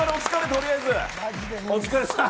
取りあえずお疲れさん。